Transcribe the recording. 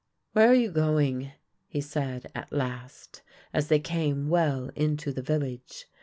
"Where are you going?" he said at last, as they came well into the village.